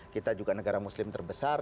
kita juga negara muslim terbesar